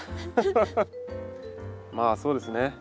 まあそうですね。